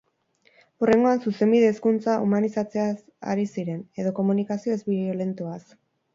Hurrengoan, Zuzenbide-hezkuntza humanizatzeaz ari ziren, edo komunikazio ez-biolentoaz...